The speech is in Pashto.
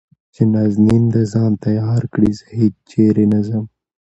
چې نازنين د ځان تيار کړي زه هېچېرې نه ځم .